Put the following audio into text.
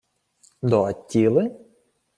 — До Аттіли?